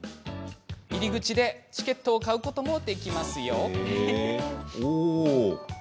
入り口でチケットを買うこともできますよ。